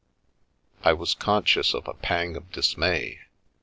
I was conscious of a pang of dismay.